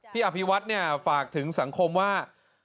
อภิวัฒน์ฝากถึงสังคมว่า